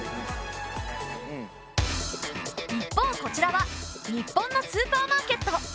一方こちらは日本のスーパーマーケット。